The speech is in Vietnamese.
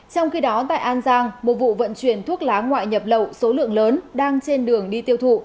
trong khi đó tại an giang một vụ vận chuyển thuốc lá ngoại nhập lậu số lượng lớn đang trên đường đi tiêu thụ